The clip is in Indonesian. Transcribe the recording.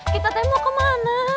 kita teh mau kemana